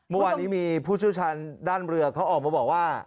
เมื่อวานนี้มีผู้เชี่ยวชาญด้านเรือเขาออกมาบอกว่า